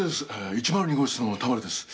１０２号室の田丸です。